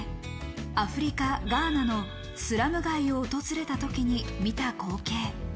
アフリカ・ガーナのスラム街を訪れた時に見た光景。